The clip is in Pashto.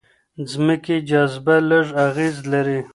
ځمکې جاذبه لږ اغېز لري.